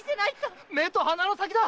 〕〔目と鼻の先だ。